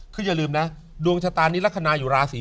คืออย่าลืมนะดวงชะตานี้ลักษณะอยู่ราศี